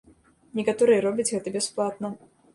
Некаторыя робяць гэта бясплатна.